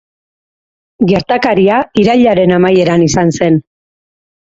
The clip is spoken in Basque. Gertakaria irailaren amaieran izan zen.